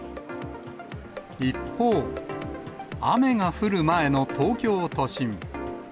一方、雨が降る前の東京都心。